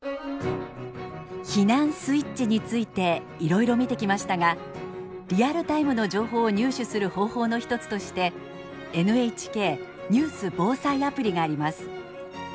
避難スイッチについていろいろ見てきましたがリアルタイムの情報を入手する方法の一つとしてＮＨＫニュース防災アプリがあります。